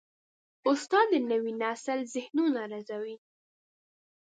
استاد د نوي نسل ذهنونه روزي.